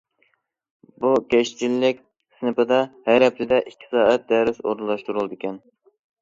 بۇ كەشتىچىلىك سىنىپىدا ھەر ھەپتىدە ئىككى سائەت دەرس ئورۇنلاشتۇرۇلىدىكەن.